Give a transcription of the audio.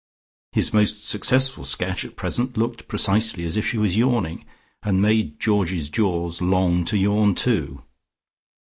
His most successful sketch at present looked precisely as if she was yawning, and made Georgie's jaws long to yawn too.